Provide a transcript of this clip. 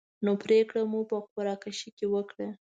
نو پرېکړه مو په قره کشۍ وکړه.